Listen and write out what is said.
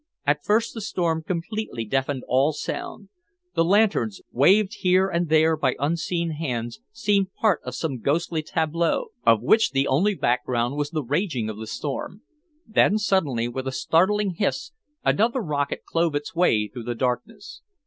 At first the storm completely deafened all sound. The lanterns, waved here and there by unseen hands, seemed part of some ghostly tableau, of which the only background was the raging of the storm. Then suddenly, with a startling hiss, another rocket clove its way through the darkness.